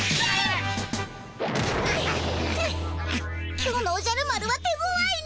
今日のおじゃる丸は手ごわいね。